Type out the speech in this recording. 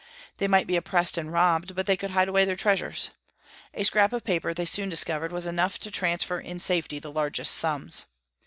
They might be oppressed and robbed, but they could hide away their treasures. A scrap of paper, they soon discovered, was enough to transfer in safety the largest sums.